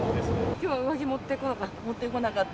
きょうは上着持ってこなかった？